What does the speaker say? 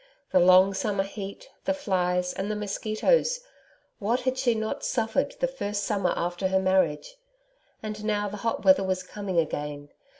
The long summer heat, the flies and the mosquitoes! What had she not suffered the first summer after her marriage! And now the hot weather was coming again.